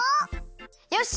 よし！